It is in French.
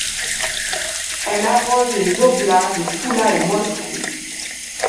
Elle arrose les oblasts de Toula et Moscou.